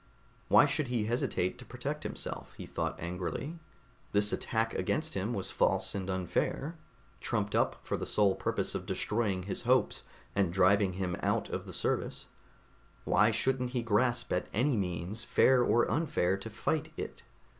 Why should he hesitate to protect himself? he thought angrily. This attack against him was false and unfair, trumped up for the sole purpose of destroying his hopes and driving him out of the Service. Why shouldn't he grasp at any means, fair or unfair, to fight it?